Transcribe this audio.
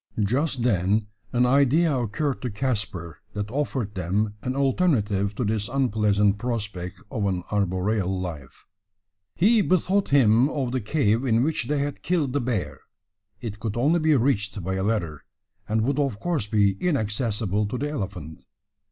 Just then an idea occurred to Caspar that offered them an alternative to this unpleasant prospect of an arboreal life. He bethought him of the cave in which they had killed the bear. It could only be reached by a ladder, and would of course be inaccessible to the elephant.